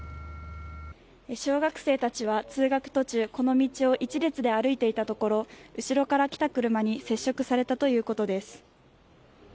小学生たちは通学途中この道を一列で歩いていたところ後ろから来た車に接触されたということです。